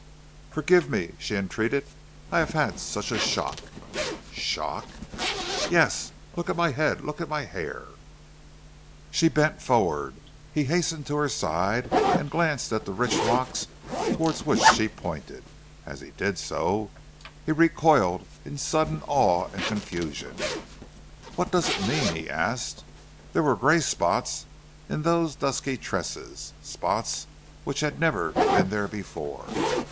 "Forgive me," she entreated, "I have had such a shock." "Shock?" "Yes. Look at my head! look at my hair!" She bent forward; he hastened to her side and glanced at the rich locks towards which she pointed. As he did so, he recoiled in sudden awe and confusion. "What does it mean?" he asked. There were gray spots in those dusky tresses, spots which had never been there before.